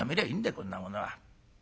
こんなものは。